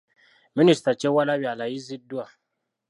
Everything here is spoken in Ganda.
Minisita Kyewalabye alayiziddwa.